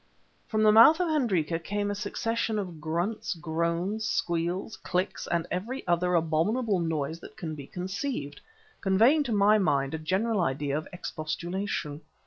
From the mouth of Hendrika came a succession of grunts, groans, squeals, clicks, and every other abominable noise that can be conceived, conveying to my mind a general idea of expostulation.